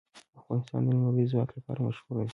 افغانستان د لمریز ځواک لپاره مشهور دی.